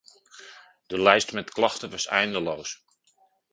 De lijst met klachten was eindeloos.